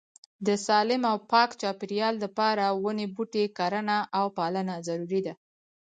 د سالیم او پاک چاپيريال د پاره وني بوټي کرنه او پالنه ضروري ده